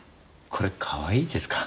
これかわいいですか？